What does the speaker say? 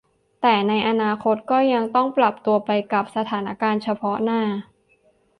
แต่ในอนาคตก็ยังต้องปรับตัวไปกับสถานการณ์เฉพาะหน้า